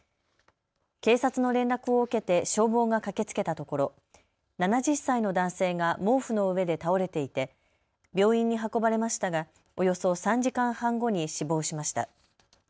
警察の連絡を受けて消防が駆けつけたところ、７０歳の男性が毛布の上で倒れていて病院に運ばれましたがおよそ３時間半後に死亡しました。